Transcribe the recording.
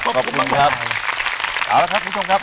เอาละครับคุณผู้ชมครับ